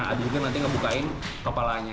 ada juga nanti ngebukain kepalanya